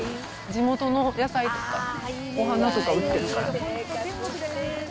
地元の野菜とか、お花とか売ってるから。